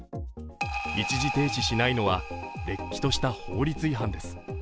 一時停止しないのは、れっきとした法律違反です。